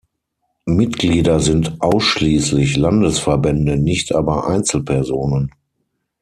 Mitglieder sind ausschließlich Landesverbände, nicht aber Einzelpersonen.